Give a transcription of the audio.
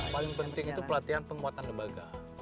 paling penting itu pelatihan penguatan lembaga